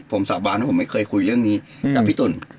ผมสาบานว่าผมไม่เคยคุยเรื่องนี้กับพี่ตุ๋น